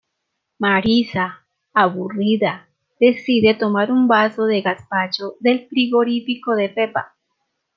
Marisa, aburrida, decide tomar un vaso de gazpacho del frigorífico de Pepa.